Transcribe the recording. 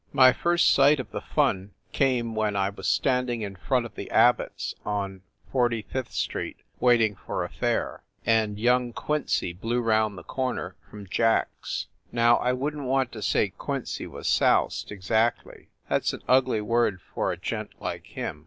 My first sight of the fun come when I was standing in front of the Abbots , on Forty fifth street, waiting for a fare, and young Quincy blew round the corner from "Jack s." Now I wouldn t want to say Quincy was soused, exactly. That s an ugly word for a gent like him.